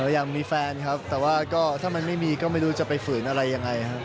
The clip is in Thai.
อยากมีแฟนครับแต่ว่าก็ถ้ามันไม่มีก็ไม่รู้จะไปฝืนอะไรยังไงครับ